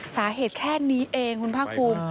สาเหตุแค่นี้เองคุณภาคภูมิ